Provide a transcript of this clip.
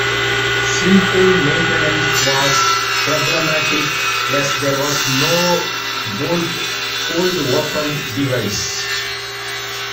Simple maintenance was problematic as there was no bolt hold-open device.